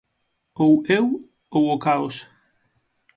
Ou eu ou o caos.